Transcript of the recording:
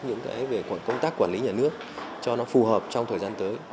những công tác quản lý nhà nước cho nó phù hợp trong thời gian tới